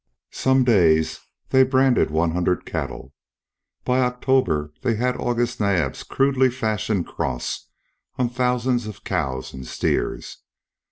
Some days they branded one hundred cattle. By October they had August Naab's crudely fashioned cross on thousands of cows and steers.